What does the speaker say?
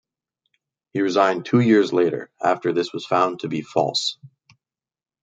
He resigned two years later, after this was found to be false.